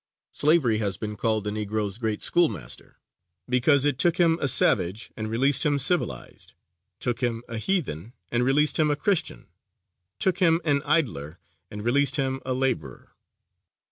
Slavery has been called the Negro's great schoolmaster, because it took him a savage and released him civilized; took him a heathen and released him a Christian; took him an idler and released him a laborer.